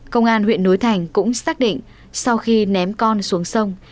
công an huyện núi thành cũng xác định sau khi ném con xuống sông